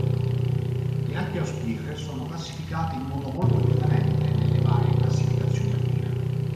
Le Alpi austriache sono classificate in modo molto differente nelle varie classificazioni alpine.